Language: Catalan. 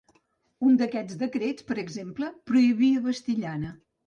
Un d'aquests decrets, per exemple, prohibia vestir llana.